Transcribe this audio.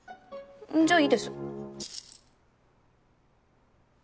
じゃあいいです。